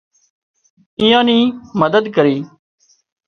ايئان نِي مدد ڪري